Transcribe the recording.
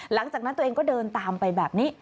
หลังจากนั้นตัวเองก็เดินตามไปแบบนี้